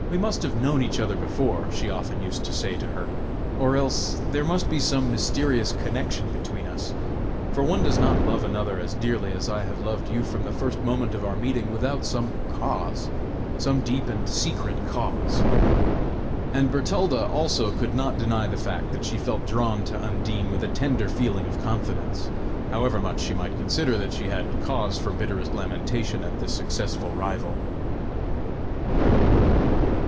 "We must have known each other before," she often used to say to her, "or else, there must be some mysterious connection between us, for one does not love another as dearly as I have loved you from the first moment of our meeting without some cause some deep and secret cause." And Bertalda also could not deny the fact that she felt drawn to Undine with a tender feeling of confidence, however much she might consider that she had cause for the bitterest lamentation at this successful rival.